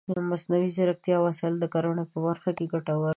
د مصنوعي ځیرکتیا وسایل د کرنې په برخه کې ګټور دي.